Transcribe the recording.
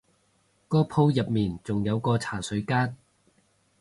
個鋪入面仲有個茶水間